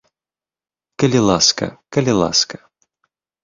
Калі ласка, калі ласка!